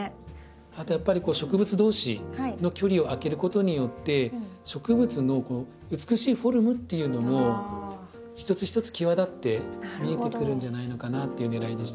あとやっぱり植物同士の距離を空けることによって植物の美しいフォルムっていうのも一つ一つ際立って見えてくるんじゃないのかなっていうねらいでしたね。